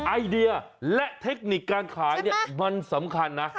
ไอเดียและเทคนิคการขายเนี่ยมันสำคัญนะ